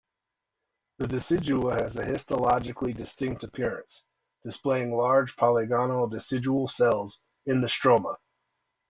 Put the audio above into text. The decidua has a histologically-distinct appearance, displaying large polygonal decidual cells in the stroma.